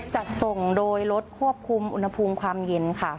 จะส่งโดยรถควบคุมอุณหภูมิความเย็นค่ะ